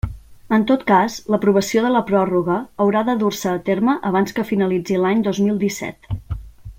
En tot cas, l'aprovació de la pròrroga haurà de dur-se a terme abans que finalitzi l'any dos mil disset.